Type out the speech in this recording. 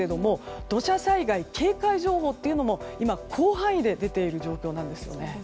土砂災害警戒情報というのも広範囲で出ている状況なんです。